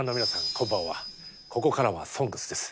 こんばんはここからは「ＳＯＮＧＳ」です。